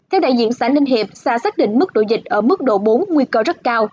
theo đại diện xã ninh hiệp xã xác định mức độ dịch ở mức độ bốn nguy cơ rất cao